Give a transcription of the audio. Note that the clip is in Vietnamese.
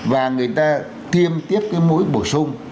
và người ta tiêm tiếp cái mũi bổ sung